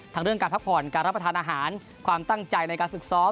เรื่องการพักผ่อนการรับประทานอาหารความตั้งใจในการฝึกซ้อม